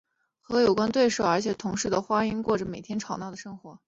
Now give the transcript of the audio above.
和有对手关系而且是同室的花音过着每天争吵的生活。